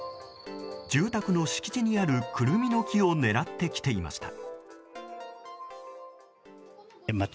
住宅の敷地にあるクルミの木を狙って来ていました。